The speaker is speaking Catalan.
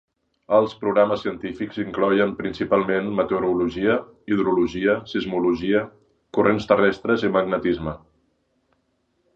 Els programes científics incloïen principalment meteorologia, hidrologia, sismologia, corrents terrestres i magnetisme.